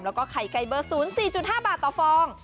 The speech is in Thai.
แล้วก็ไข่ไก่เบอร์๐๔๕บาทต่อฟอง